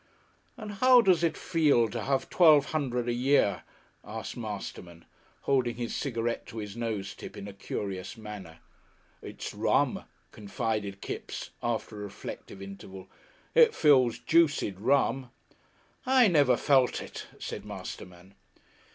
"And how does it feel to have twelve hundred a year?" asked Masterman, holding his cigarette to his nose tip in a curious manner. "It's rum," confided Kipps, after a reflective interval. "It feels juiced rum." "I never felt it," said Masterman.